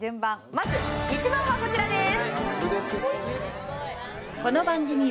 まず１番はこちらです。